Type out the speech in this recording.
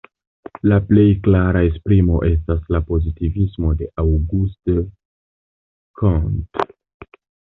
La plej klara esprimo estas la pozitivismo de Auguste Comte.